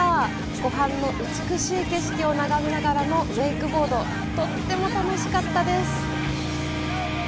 湖畔の美しい景色を眺めながらのウェイクボード、とっても楽しかったです。